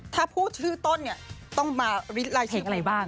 ถ้าพูดชื่อต้นเนี่ยต้องมารีดรายชื่อพี่ต้น